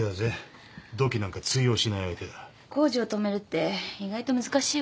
工事を止めるって意外と難しいわね。